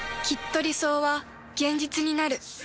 きっと理想は現実になる。